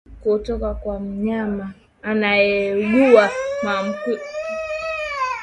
kutoka kwa mnyama anayeugua Maambukizi hayo yanaweza kutokea hata ikiwa ng'ombe asiye mgonjwa